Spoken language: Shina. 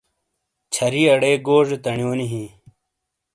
چھَری اڑے گوزے تنیونی ہِیں۔